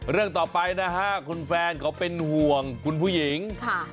เรื่องต่อไปนะฮะคุณแฟนเขาเป็นห่วงคุณผู้หญิง